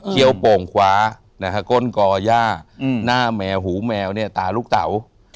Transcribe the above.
เคี้ยวโป่งขวานะฮะก้นกอหญ้าหน้าแมวหูแมวเนี่ยตาลูกเต่า